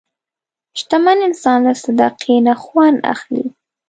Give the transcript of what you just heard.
شتمن انسان له صدقې نه خوند اخلي.